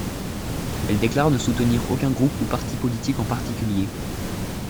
Elle déclare ne soutenir aucun groupe ou parti politique en particulier.